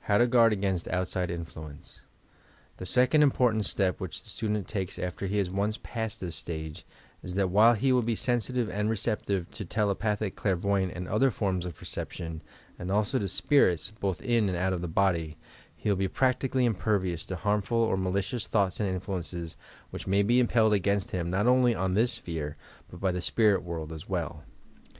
HOW TO OUABD A0AIN8T ODTSIDE INTLUENCEi: The second important step which the student takes after he has once passed this stage is that while he will be sensitive and receptive to telepathic, clairvoyant and other forms of perception and also to spirits, both in and out of the body, he will be practically impervioas to harmful or malicious thoughts and influences which may be impelled against him not only on this sphere, but by the spirit world as well.